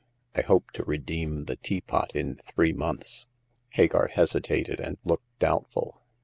I hope to redeem the teapot in three months.'' Hagar hesitated and looked doubtful.